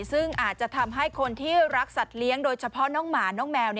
ซึ่งอาจจะทำให้คนที่รักสัตว์เลี้ยงโดยเฉพาะน้องหมาน้องแมว